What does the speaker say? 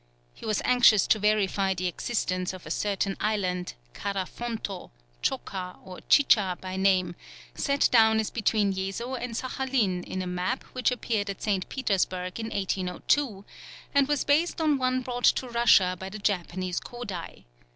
He was anxious to verify the existence of a certain island, Karafonto, Tchoka, or Chicha by name, set down as between Yezo and Saghalien in a map which appeared at St. Petersburg in 1802, and was based on one brought to Russia by the Japanese Koday.